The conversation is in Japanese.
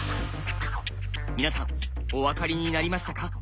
皆さんお分かりになりましたか？